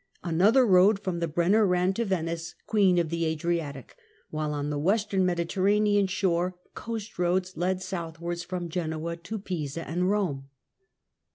Another road from the Brenner ran to Venice, " Queen of the Adriatic," while on the western Mediterranean shore coast roads led southwards from Genoa to Pisa and Eome.